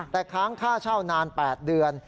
แต่ค้างค่าเช่านาน๘เดือน